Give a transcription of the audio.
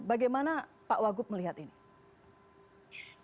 bagaimana pak wagub melihat ini